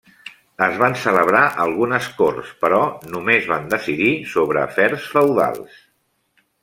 Es van celebrar algunes corts però només van decidir sobre afers feudals.